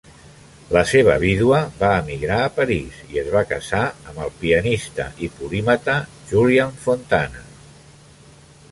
La seva vídua va emigrar a París i es va casar amb el pianista i polímata Julian Fontana.